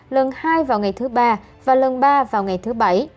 lần hai vào ngày thứ ba và lần ba vào ngày thứ bảy